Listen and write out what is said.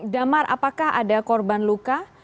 damar apakah ada korban luka